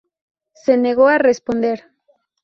Se negó a responder.